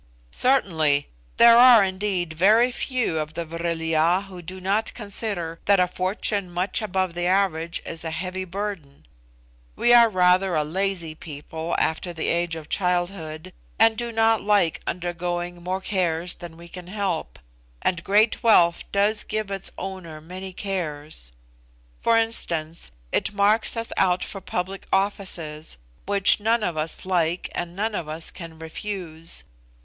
"Certainly; there are indeed very few of the Vril ya who do not consider that a fortune much above the average is a heavy burden. We are rather a lazy people after the age of childhood, and do not like undergoing more cares than we can help, and great wealth does give its owner many cares. For instance, it marks us out for public offices, which none of us like and none of us can refuse.